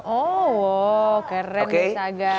oh keren ya saga